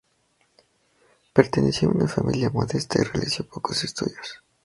Pertenecía a una familia modesta y realizó pocos estudios.